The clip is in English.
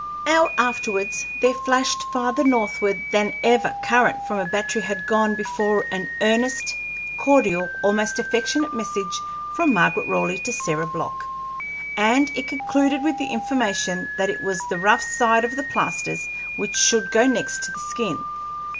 An hour afterwards there flashed farther northward than ever current from a battery had gone before an earnest, cordial, almost affectionate message from Margaret Raleigh to Sarah Block, and it concluded with the information that it was the rough side of the plasters which should go next to the skin.